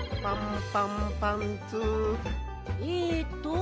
えっと